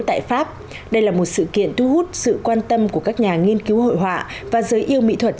tại pháp đây là một sự kiện thu hút sự quan tâm của các nhà nghiên cứu hội họa và giới yêu mỹ thuật